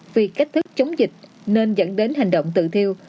vì cách thức chống dịch nên dẫn đến hành động tự thiêu